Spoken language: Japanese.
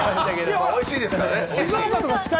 でもおいしいですからね。